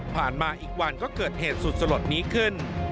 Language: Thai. มาอีกวันก็เกิดเหตุสุดสลดนี้ขึ้น